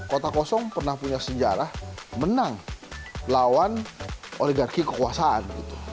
kota kosong pernah punya sejarah menang lawan oligarki kekuasaan